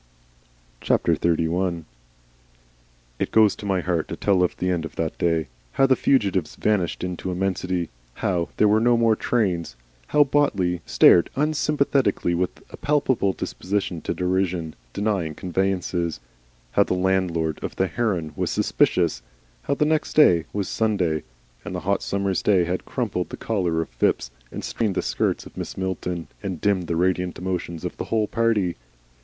XXXI. It goes to my heart to tell of the end of that day, how the fugitives vanished into Immensity; how there were no more trains how Botley stared unsympathetically with a palpable disposition to derision, denying conveyances how the landlord of the Heron was suspicious, how the next day was Sunday, and the hot summer's day had crumpled the collar of Phipps and stained the skirts of Mrs. Milton, and dimmed the radiant emotions of the whole party.